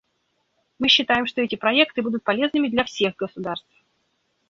Мы считаем, что эти проекты будут полезными для всех государств.